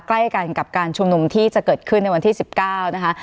ใกล้กันกับการชุมนุมที่จะเกิดขึ้นในวันที่๑๙นะคะ